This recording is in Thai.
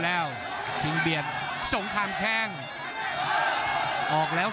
ภูตวรรณสิทธิ์บุญมีน้ำเงิน